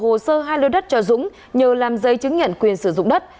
hộ sơ hai lô đất cho dũng nhờ làm dây chứng nhận quyền sử dụng đất